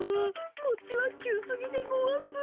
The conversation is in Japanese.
こっちはきゅうすぎでごわす。